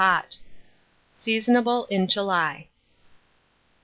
pot. Seasonable in July.